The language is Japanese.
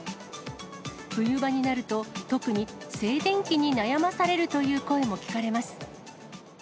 冬場になると、特に静電気に悩まされるという声も聞かれます。